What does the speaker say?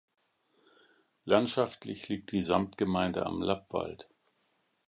Landschaftlich liegt die Samtgemeinde am Lappwald.